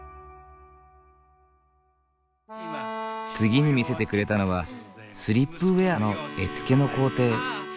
次に見せてくれたのはスリップウェアの絵付けの工程。